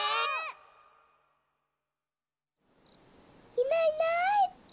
いないいない。